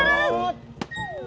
mahkanmu dik offer